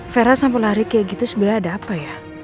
vera sampai lari kayak gitu sebenarnya ada apa ya